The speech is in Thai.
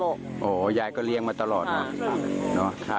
โอ้วยายก็เลี้ยงมาตลอดบางครั้งนะจ้า